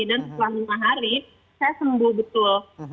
dan setelah lima hari saya sembuh betul